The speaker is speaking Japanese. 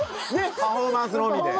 パフォーマンスのみで。